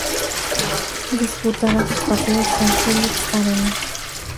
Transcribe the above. Disputará sus partidos en el Philips Arena.